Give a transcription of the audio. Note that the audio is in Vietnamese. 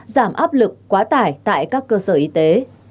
giảm áp lực quá tải tại các cơ sở y tế